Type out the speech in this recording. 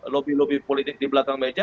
lobby lobby politik di belakang meja